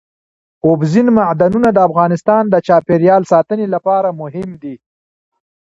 اوبزین معدنونه د افغانستان د چاپیریال ساتنې لپاره مهم دي.